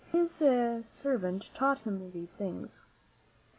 His servant taught him these things.